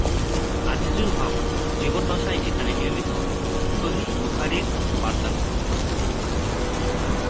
আজিজুল হক জীবদ্দশায় এখানে নিয়মিত "সহীহ বুখারীর" পাঠদান করতেন।